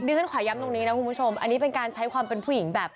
ฉันขอย้ำตรงนี้นะคุณผู้ชมอันนี้เป็นการใช้ความเป็นผู้หญิงแบบ